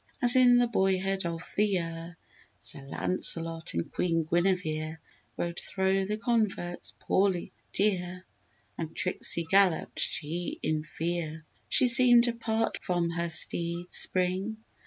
As in the boyhood of the year Sir Launcelot and Queen Guinevere Rode thro' the converts Pauly dear, And Trixie galloped she in fear, She seemed apart from her steed's spring!